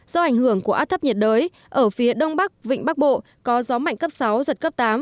do ảnh hưởng của áp thấp nhiệt đới ở phía đông bắc vịnh bắc bộ có gió mạnh cấp sáu giật cấp tám